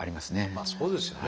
まあそうですよね。